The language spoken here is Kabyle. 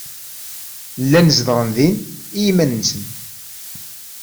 Llan zedɣen din i yiman-nsen.